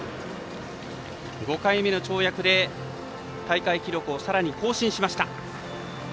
５回目の跳躍で大会記録をさらに更新しました。